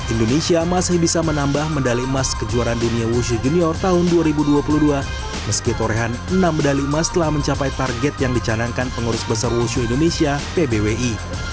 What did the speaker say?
indonesia masih bisa menambah medali emas kejuaraan dunia wushu junior tahun dua ribu dua puluh dua meski torehan enam medali emas telah mencapai target yang dicanangkan pengurus besar wushu indonesia pbwi